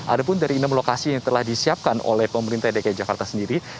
ada pun dari enam lokasi yang telah disiapkan oleh pemerintah dki jakarta sendiri